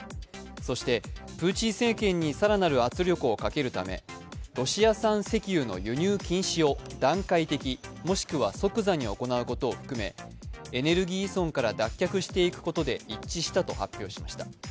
そしてプーチン政権に更なる圧力をかけるため、ロシア産石油の輸入禁止を段階的、もしくは即座に行うことを含め、エネルギー依存から脱却していくことで一致したと発表しました。